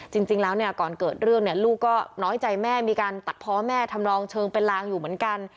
จริงแล้วเนี่ยก่อนเกิดเรื่องเนี่ยลูกก็น้อยใจแม่มีการตัดเพาะแม่ทำนองเชิงเป็นลางอยู่เหมือนกัน